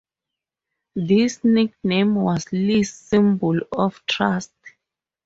This nickname was Lee's symbol of trust.